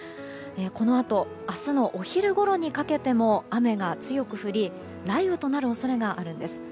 この後明日のお昼ごろにかけても雨が強く降り雷雨となる恐れがあるんです。